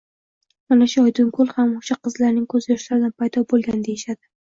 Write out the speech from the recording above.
Mana shu Oydinkoʼl ham oʼsha qizlarning koʼz yoshlaridan paydo boʼlgan, deyishadi.